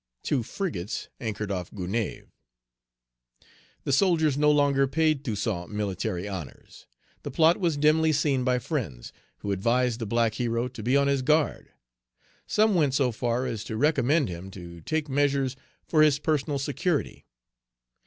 Two frigates anchored off Gonaïves. The soldiers no longer paid Toussaint military honors. The plot was dimly seen by friends, who advised the black hero to be on his guard. Some went so far as Page 228 to recommend him to take measures for his personal security.